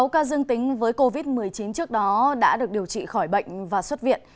sáu ca dương tính với covid một mươi chín trước đó đã được điều trị khỏi bệnh và xuất viện